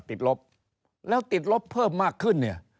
ติดลบแล้วติดลบเพิ่มมากขึ้นเนี่ย